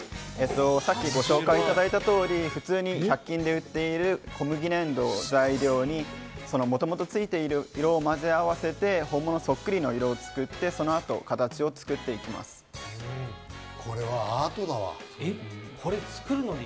ご紹介いただいた通り、普通に１００均で売っている小麦粘土を材料に、もともとついている色を混ぜ合わせて本物そっくりの色を作って、そのあと形を作っていきこれはアートだわ。